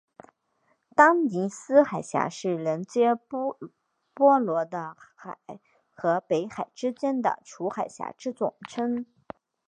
丹尼斯海峡是连结波罗的海和北海之间的诸海峡之总称。